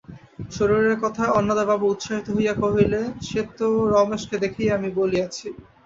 শরীরের কথায় অন্নদাবাবু উৎসাহিত হইয়া কহিলেন, সে তো রমেশকে দেখিয়াই আমি বলিয়াছি।